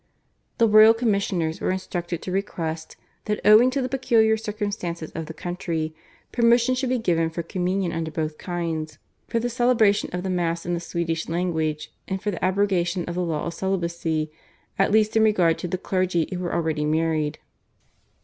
The royal commissioners were instructed to request, that owing to the peculiar circumstances of the country, permission should be given for Communion under both kinds, for the celebration of the Mass in the Swedish language, and for the abrogation of the law of celibacy at least in regard to the clergy who were already married.